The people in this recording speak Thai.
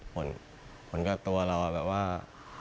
ผลกับตัวเราแบบว่า